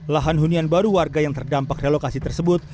lahan hunian baru warga yang terdampak relokasi tersebut